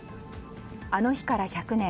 あの日から１００年。